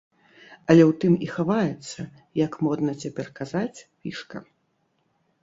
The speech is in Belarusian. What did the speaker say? Але ў тым і хаваецца, як модна цяпер казаць, фішка.